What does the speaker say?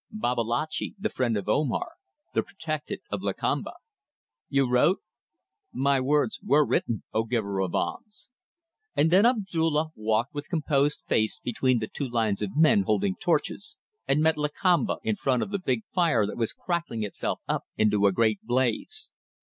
"Babalatchi. The friend of Omar. The protected of Lakamba." "You wrote?" "My words were written, O Giver of alms!" And then Abdulla walked with composed face between the two lines of men holding torches, and met Lakamba in front of the big fire that was crackling itself up into a great blaze.